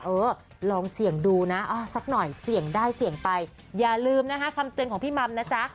เออลองเสี่ยงดูนะสักหน่อยเสี่ยงได้เสี่ยงไปอย่าลืมนะคะคำเตือนของพี่มัมนะจ๊ะ